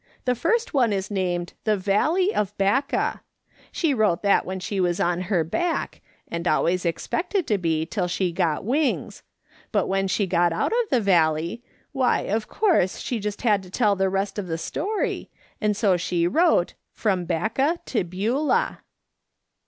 The first one is named The, Valley of Baca. She wrote that when she was on her back, and always expected to be till she got wings ; but when she got out of the valley, why, of course, she had to tell the rest of the story, and so she wrote Froin Baca to Beidah."